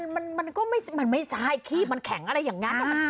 มันก็มันไม่ใช่ขี้มันแข็งอะไรอย่างนั้น